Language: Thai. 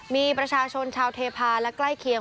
มีประชาชนชาวเทพาะและใกล้เคียง